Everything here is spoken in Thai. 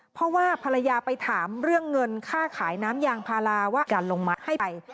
เพราะว่าภรรยาไปถามเรื่องเงินค่าขายน้ำยางพาราว่าอย่าลงมาให้ไป